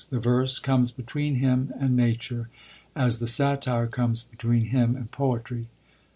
The verse comes between him and nature, as the satire comes between him and poetry.